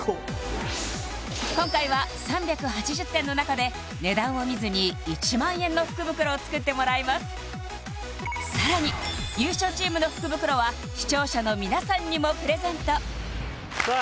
今回は３８０点の中で値段を見ずに１万円の福袋を作ってもらいますさらに優勝チームの福袋は視聴者の皆さんにもプレゼントさあ